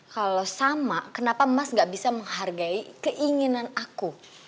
kalau sama kenapa mas gak bisa menghargai keinginan aku